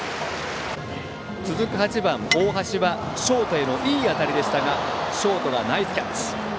続く８番、大橋はショートへのいい当たりでしたがショートがナイスキャッチ。